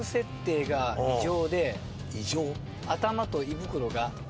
異常？